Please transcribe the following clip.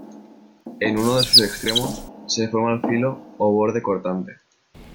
En uno de sus extremos, se forma el filo o borde cortante.